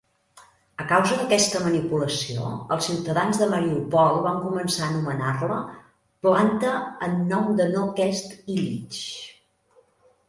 A causa d'aquesta manipulació, els ciutadans de Mariupol van començar a anomenar-la "Planta en nom de no-aquest-Illich".